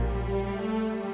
aku mau ke rumah